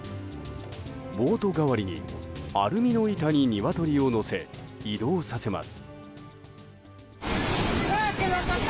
ボート代わりにアルミの板にニワトリを乗せ移動させます。